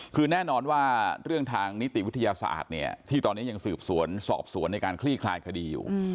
คือแน่นอนว่าเรื่องทางนิติวิทยาศาสตร์เนี่ยที่ตอนนี้ยังสืบสวนสอบสวนในการคลี่คลายคดีอยู่